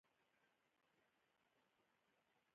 آیا د چرسو شرکتونه په بازار کې نشته؟